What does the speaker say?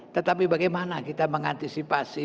tetapi bagaimana kita mengantisipasi